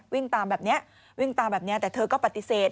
วิ่งตามแบบนี้แต่เธอก็ปฏิเสธ